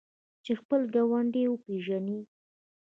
چې خپل ګاونډی وپیژني.